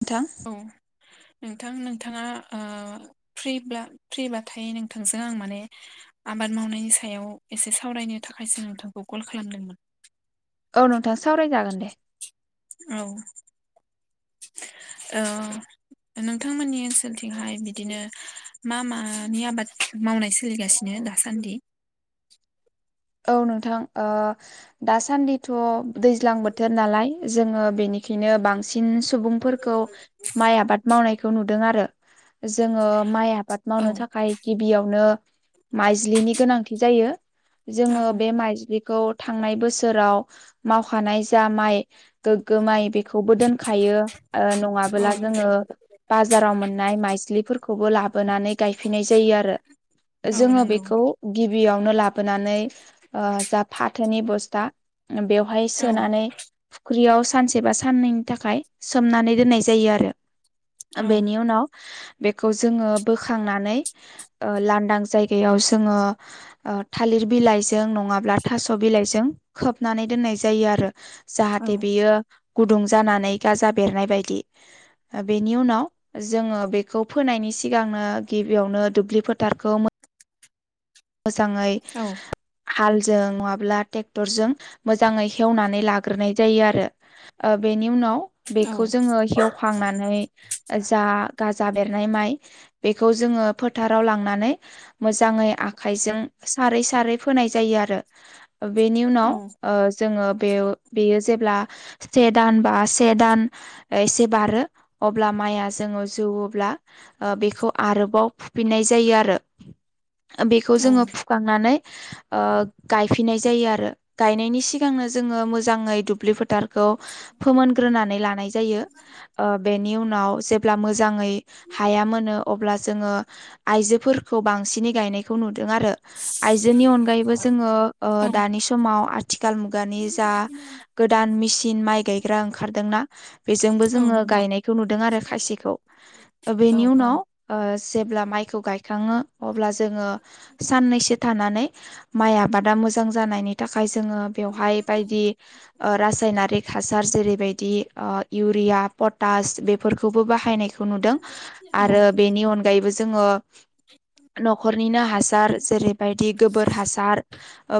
नोंथां। [inaudible] नोंथां नोंथाङा फ फ्रिबाथायायो नोंथांजों आं माने आबाद मावनायनि सायाव एसे सावरायनो थाखायसो नोंथांखौ कल खालामदोंमोन। औ नोंथां सावरायनो जागोन दे। औ आ। नोंथांमोननि ओनसोलथिंहाय बिदिनो मा मानि आबाद मावनाय सोलिगासिनो। दासान्दि। औ नोंथां दासान्दिथ' दैज्लां बोथोर नालाय जोङो बेनि बेखायनो बांसिन सुबुंफोरखौ माइ आबाद मावनायखौ नुदों आरो। जोङो माइ आबाद औ मावनो थाखाय गिबियावनो माइज्लिनि गोनांथि जायो औ जोङो बे माइज्लि खौ थांनाय बोसोराव मावखानाय जा माइ गोग्गो माइ बेखौबो दोनखायो। औ नङाबोला जोङो बाजाराव मोननाय माइस्लिफोरखौ खौबो लाबोनानै गायफिनाय जायो आरो औ जोङो नंगौ बेखौ गिबियावनो लाबोन फनानै फाथोनि बस्था बेयावहाय औ सोनानै फुख्रियाव सानसे बा साननैनि थाखाय सोमनानै दोननाय जायो आरो- औ बेनि उनाव बेखौ जोङो बोखांनानै लांदां जायगायाव जोङो थालिर बिलाइजों नङाब्ला थास' बिलाइजों खोबनानै दोननाय जायो आरो औ जाहाथे बियो गुदुं जानानै गाजा बेरनाय बायदि। बेनि उनाव जोङो बेखौ फोनायनि सिगांनो गिबियावनो दुब्लि फोथारखौ मोजाङै औ हालजों मङाब्ला ट्रेक्टरजों मोजाङै हेवनानै लाग्रोनाय जायो आरो बेनि उनाव बेखौ औ जोङो हेवखांनानै- जा गाजा बेरनाय माइ बेखौ जोङो फोथाराव लांनानै मोजाङै आख आखाइजों सारै सारै फोनाय जायो आरो बेनि उनाव जोङो बेयो जेब्ला से दान बा से दान एसे बारो अब्ला म माइआ जोङो जौब्ला बेखौ आरोबाव फुफिननाय जायो आरो अ अ बेखौ जोङो फुखांनानै गायफिननाय जायो आरो गायनायनि सिगांनो जोङो मोजाङै दुब्लि फोथारखौ फोमोनग्रोनानै लानाय जायो ओ बेनि उनाव जेब्ला मोजाङै हा हाया मोनो अब्ला जोङो आइजोफोरखौ बांसिनै गायनायखौ नुदों आरो आइजोनि अनगायैबो जोङो औ दानि समाव आथिखाल मुगानि जा गोदान मेचिन माइ गायग्रा ओंखारदोंना बेजोंबो औ जोङो नंगौ गायनायखौ नुदों आरो खायसेखौ औ बेनि उनाव जेब्ला माइखौ गायखाङो अब्ला जोङो साननैसो थानानै माइ आबादा मोजां जानायनि थाखाय आ जोङो बेवहाय बायदि रासायनारिक हासार जेरैबायदि इउरिया पटास बेफोरखौबो बाहायनाय खौ नुदों आरो बेनि अनगायैबो जोङो न'खर हासार जेरैबायदि गोबोर हासार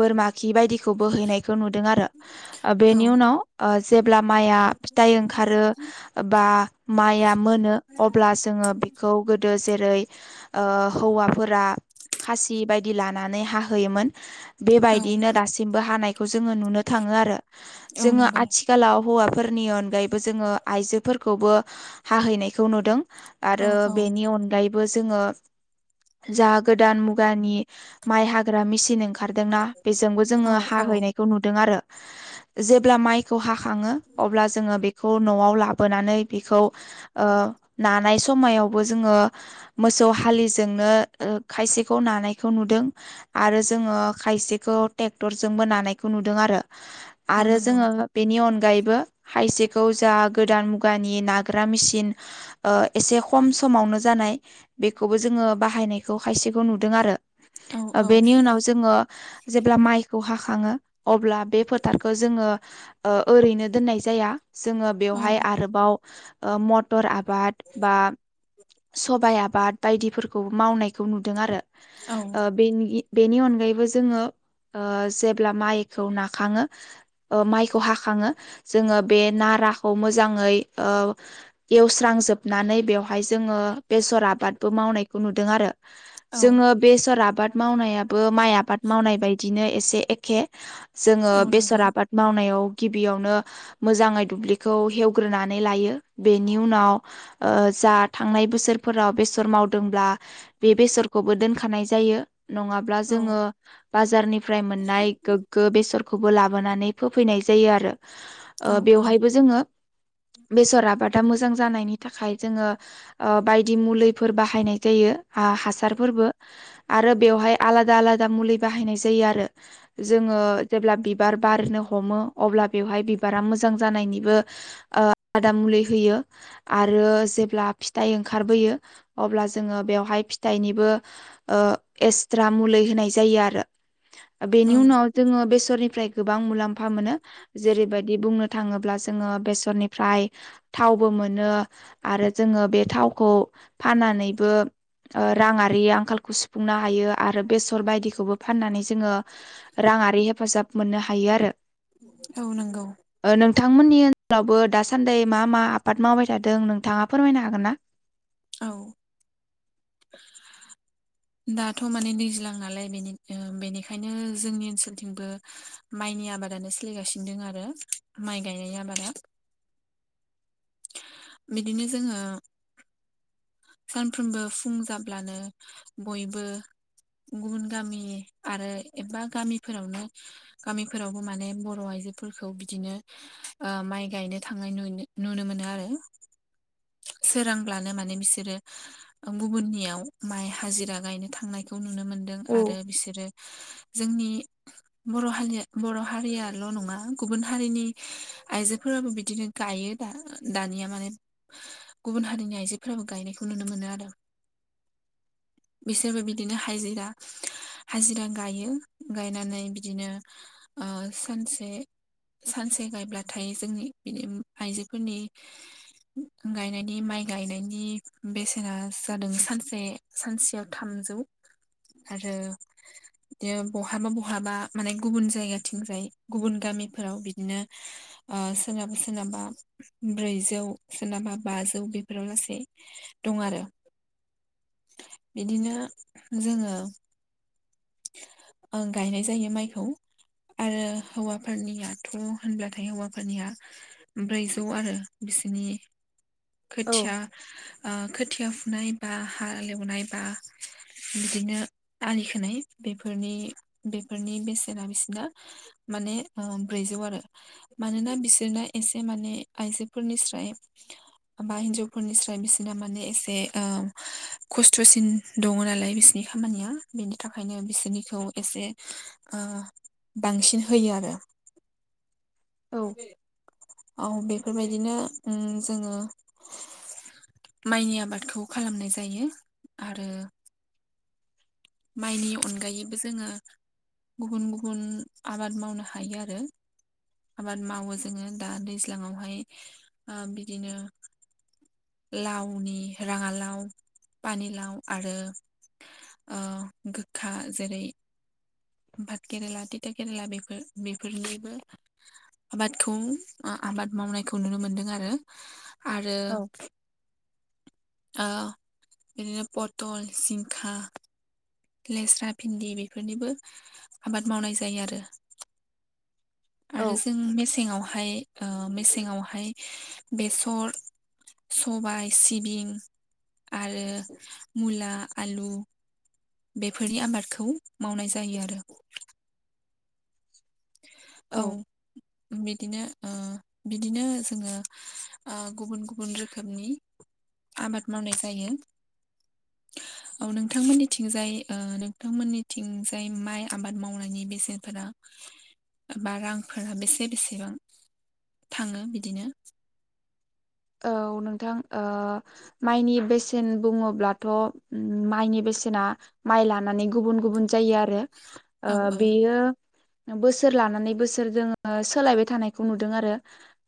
बोरमा खि बायदिखौ बोहैनायखौ नुदों आरो औ बेनि उनाव अब्ला माइआ फिथाइ ओंखारो बा माइआ मोनो अब्ला जोङो बेखौ गोदो जेरै जै हौवाफोरा औ बेबायदियैनो दासिमबो हानायखौ जोङो नुनो थाङो आरो औ जोङो नंगौ आथिखालाव हौवा फोरनि अनगायैबो जोङो आइजोफोरखौबो हाहैनायखौ नुदों औ आरो औ बेनि अनगायैबो जोङो जा गोदान मुगानि माइ हाग्रा मेसिन ओंखारदोंना बेजोंबो जोङो औ औ हाहैनायखौ नुदों आरो जेब्ला माइखौ हाखाङो अब्ला जोङो बेखौ न'आव ला लाबोनानै बिखौ ओ नानाय समावबो जों ओ मोसौ हालिजों आङ खायसेखौ नानायखौ नुदों आरो जोङो खायसेखौ ट्रेक्टरजोंबो नानायखौ नुदों आरो औ आरो नंगौ जोङो बेनि अनगा गायैबो खायसेखौ जा गोदान मुगानि नाग्रा मेचिन ओ एसे खम सम समावनो जानाय बेखौबो जोङो बाहायनाय खायसेखौ नुदों औ आरो बेनि उनाव जोङो जेब्ला माइखौ हाखाङो अब्ला बे फोथारखौ जोङो ओरैनो दोननाय जाया जोङो बेवहाय आरोबाव मटर आबाद बा सबाइ आबाद बायदिफोरखौ मावनायखौ नुदों आरो औ बेनि बेनि अनगायैबो जोङो जेब्ला माइखौ नाखाङो माइखौ हाखाङो जोङो बे नाराखौ मोजाङै एवस्रांजोबनानै बेवहाय जोङो बेसर आबादबो मावनायखौ नुदों आरो औ जोङो बेसर आबाद मावनाया बो माइ आबाद मावनाय बायदिनो एसे एखे जोङो औ बेसर नंगौ आबाद मावनायाव गिबियावनो मोजाङै दुब्लिखौ हेवग्रोनानै लायो बेनि उनाव जात थांनाय बोसोरफोराव बेसर मावदोंब्ला बे बेसरखौबो दोनखानाय जायो नङाब्ला औ जोङो बाजारनिफ्राय मोननाय गोग्गो बेसर लाबोनानै फो फैनाय जायो आरो औ औ बेवहायबो जोङो बेसर आबादा मोजां जानायनि थाखाय जोङो बायदि मुलिफोर बाहायनाय जायो हासारफोरबो आरो बेवहाय आलादा आलादा आलादा मुलि बाहायनाय जायो आरो जों ओ जेल्बा बिबार बारनो हमो अ बेहाय बिबारा मोजां जानायनिबो आदा मुलि होयो आरो जेब्ला फिथाइ ओंखारबोयो अब्ला जोङो बेवहाय फिथाइनिबो एक्सट्रा मुलि होनाय जायो आरो औ बेनि उनाव जोंओ बेसरनिफ्राय गोबां मुलाम्फा मोनो जेरैबायदि बुंनो थाङोब्ला जोङो बेसरनिफ्राय थावबो मोनो आरो जोङो बे थावखौ फाननानैबो राङारि आंखालखौ सुफुंनो हायो आरो बेसर बायदिखौबो फाननानै जोङो रां आरि हेफाजाब मोननो हायो आरो। औ नोंगौ। ओ नोंथांमोननि ओनसोलावबो दासान्दि मा मा आबाद मावबाय थादों नोंथाङा फोरमायनो हागोन ना? औ। दाथ' माने दैज्लां नालाय बेनि बेनिखायनो जोंनि ओनसोलथिंबो माइ नि आबादानो सोलिगासिनो दों आरो माइ गायनाय आबादा बिदिनो जोङो। सानफ्रोमबो फुं जाब्लानो बयबो गुबुन गामि आरो एबा गामिफोरावनो गामिफोरावबो माने बर' आय जो फोरखौ बिदिनो ओ माइ गायनो थांनाय नुनो मोनो आरो। सोरांब्लानो माने बिस सोरो गुबुननियाव माइ हाजिरा गायनो थांनायखौ नुनो मोनदों औ आरो बिसोरो जोंनि बर' हारिया बर' हारियाल' नङा गुबुन हारिनि आइजोफोराबो बिदिनो गायो। यो दा दानिया माने गुबुन हारिनि आइजोफोराबो गायनायखौ नुनो मोनो आरो बिसोरबो बिदिनो हाइजिरा हाजिरा गायो गायनानै बिदिनो ओ सानसे सानसे गायब्लाथाय जोंनि बिदि आइजोफोरनि गायनायनि माइ गायनायनि बेसेना जादों सानसे सानसेयाव थामजौ आरो बिदिनो बहाबा बहाबा माने गुबुन जायगाथिंजाय गुबुन गामिफोराव बिदिनो। ओ सोरनाबा सोरनाबा ब्रैजौ सोरनाबा बाजौ बेफोराव लासै। दं आरो बिदिनो जोङो ओं गायनाय जायो माइखौ। आरो हौवाफोरनियाथ' होनब्लाथाय हौवाफोरनिया ब्रैजौ आरो बि सिनि औ खोथिया ओ खोथिया फुनाय बा हालेवनाय बा बिदिनो आलि खोनाय बेफोरनि बेफोरनि बेसेना बिसिना माने ओ ब्रैजौ आरो। मानोना बिसोरना एसे माने आइजोफोरनिस्राय बा हिनजावफोरनिस्राय बिसोर माने एसे ओ खस्थ'सिन दङ नालाय बिसिनि खामानिया बेनि थाख खायनो बिसोरनिखौ एसे ओ बांसिन होयो आरो। औ औ बेफोरबायदिनो ओं जोङो माइनि आबादखौ खालामनाय जायो आरो माइनि अनगायैबो जोङो गुबुन गुबुन आबाद मावनो हायो आरो। आबाद मावो जोङो दा दैज्लाङावहाय ओ बिदिनो लावनि राङालाव, पानिलाव आरो ओ गोखा जेरै भाद केेरेला थिथा केरेला बेफोर बेफोरनिबो आबादखौ आबाद मावनायखौ नुनो मोनदों आरो आरो औ ओ बिदिनो पटल, जिंखा लेस्रा, भिन्दि बेफोरनिबो आबाद मावनाय जायो आरो। आरो औ जों मेसेङावहाय ओ मेसेंआवहाय बेसर सबाय, सिबिं आरो मुला, आलु बेफोरनि आबादखौ मावनाय जायो आरो। औ बिदिनो ओ बिदिनो जोङो गुबुन गुबुन रोखोमनि आबाद मावनाय जायो। औ नोंथांमोननिथिंजाय ओ नोंथांमोननिथिंजाय माइ आबाद मावनायनि बेसेनफोरा बा रांफोरा बेसे बेसेबां? थाङो बिदिनो औ नोंथां ओ माइनि बेसे न बुङोबाथ' माइनि बेसेना माइ लानानै गुबुन-गुबुन जायो आरो ओ औ औ बेयो बोसोर लानानै बोसोर जोङो सोलायबाय थानायखौ नुदों आरो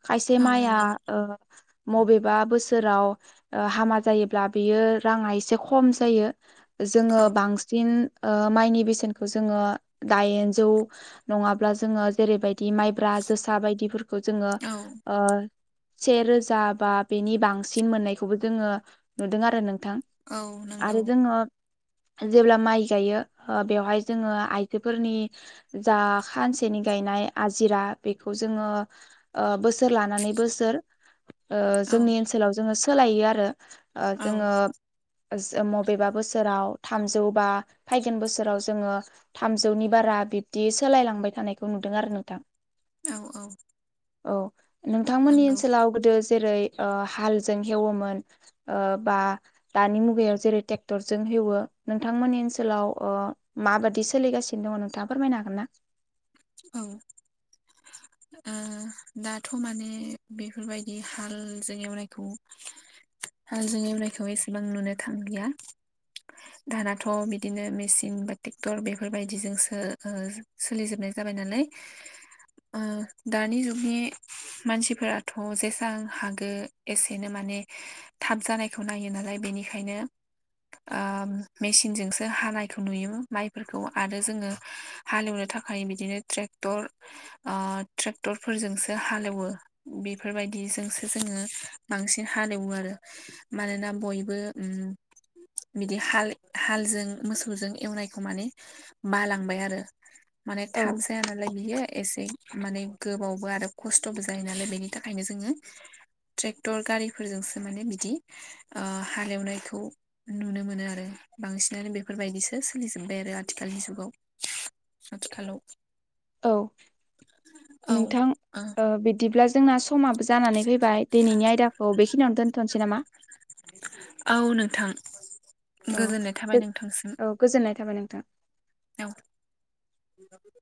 खायसे औ माइआ नंगौ ओ बबेबा बोसोराव हामा जायोब्ला बियो राङा एसे खम जायो जोङो औ बांसिन ओ माइनि बेसेनखौ जोङो दाइनजौ नङाब्ला जोङो जेरैबाय दि माइब्रा जोसा बायदिफोरखौ जोंङो औ ओ से रोजा बा बेनि बांसिन मोननायखौबो जोङो नुदों आरो नों थां औ नंगौ आरो जोङो जेब्ला माइ गायो बेवहाय जोङो आइजोफोरनि जा खानसेनि गा गायनाय आजिरा बेखौ जोङो ओ बोसोर लानानै बोसोर ओ औ जोंनि ओनसोलाव जोङो सोलायो आरो औ जोङो मबेबा बोसोराव थामजौ बा फैगोन बोसोराव जोङो थामजौनि बारा बिब्दि सोलायलांबाय थानायखौ नुदों आरो नोंथां औ-औ औ नोंथांमोननि ओनसोलाव गोदो जेरै ओ हालजों हेवोमोन ओ बा दानि मुगायाव जेरै ट्रेक्टर जों हेउवो नोंथांमोननि ओनसोलाव ओ माबादि सोलिगासिनो दङ नोंथाङा फोरमायनो हागोन ना औ ओ दाथ' माने बेफोरबायदि हालजों एवनायखौ हालजों एवनायखौ एसेबां नुनो थांलिया दानाथ' बिदिनो मेसिन बा टेक्टर बेफोरबायदिजों सो ओ सोलिजोबनाय जाबाय नालाय ओ दानि जुगनि मानसिफोराथ' जेसां हागो एसेनो मान माने थाब जानायखौ नायो नालाय बेनिखायनो ओ मेसिनजोंसो हानायखौ नुयो माइफोरखौ आरो जोङो हालेवनो थाखाय बि बिदिनो ट्रेक्टर ओ ट्रेक्टर फोरजोंसो हालेवो बिफोरबायदि जोंसो जोङो बांसिन हालेवो आरो मानोना बयबो उम बिदि हाल हालजों मोसौजों एवनायखौ माने बालांबाय आरो माने औ थाब जाया नालाय बियो एसे माने गोबावबो आरो खस्थ'बो जायो नालाय बेनि थाखायनो जोङो ट्रेक्टर गारिफोरजोंसो माने बिदि ओ हालेवनायखौ नुनो मोनो आरो बांसिनानो बेफोरबायदिसो सोलिजोब्बाय आरो आथिखालनि जुगाव आथिखालाव औ औ नोंथां औ ओ बिदिब्ला जोंना समाबो जानानै फैबाय दिनैनि आयदाखौ बेखिनियावनो दोन्थ'नोसै नामा औ नोंथां गोजोननाय थाबाय नोंथांसिम औ-औ गोजोननाय थाबाय नोंथां औ